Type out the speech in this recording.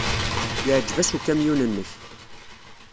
Yeɛjeb-as ukamyun-nnek.